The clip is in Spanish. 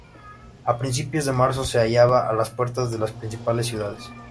A principios de marzo se hallaba a las puertas de las principales ciudades.